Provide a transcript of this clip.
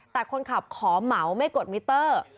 แต่คนขับขอเหมาไม่กดมิเตอร์